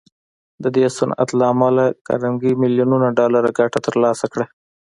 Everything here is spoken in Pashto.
د دې صنعت له امله کارنګي ميليونونه ډالر ګټه تر لاسه کړه.